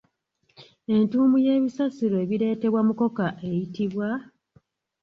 Entuumu y'ebisassiro ebireetebwa mukoka eyitibwa?